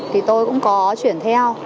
thì tôi cũng có chuyển theo